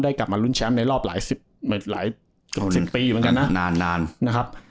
กลับมาลุ้นแชมป์ในรอบหลายสิบหลายสิบปีเหมือนกันนะนานนานนะครับ